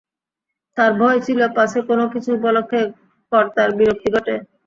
তার ভয় ছিল পাছে কোনো কিছু উপলক্ষে কর্তার বিরক্তি ঘটে।